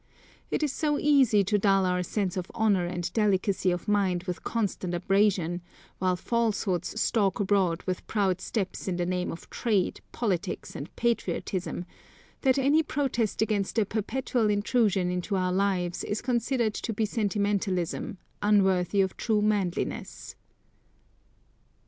It is so easy to dull our sense of honour and delicacy of mind with constant abrasion, while falsehoods stalk abroad with proud steps in the name of trade, politics and patriotism, that any protest against their perpetual intrusion into our lives is considered to be sentimentalism, unworthy of true manliness.